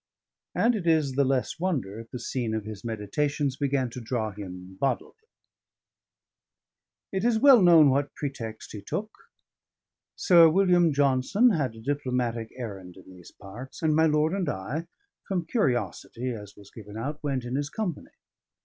And it is the less wonder if the scene of his meditations began to draw him bodily. It is well known what pretext he took. Sir William Johnson had a diplomatic errand in these parts; and my lord and I (from curiosity, as was given out) went in his company.